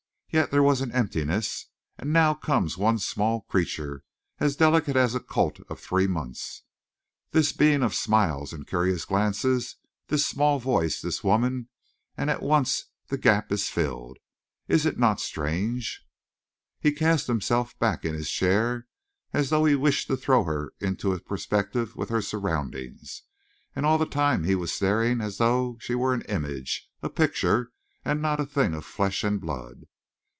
Yet there was an emptiness, and now comes one small creature, as delicate as a colt of three months, this being of smiles and curious glances, this small voice, this woman and at once the gap is filled. Is it not strange?" He cast himself back in his chair, as though he wished to throw her into perspective with her surroundings, and all the time he was staring as though she were an image, a picture, and not a thing of flesh and blood.